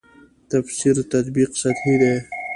تفسیر تطبیق سطحې دي.